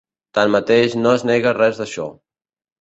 Tanmateix, no es nega res d’això.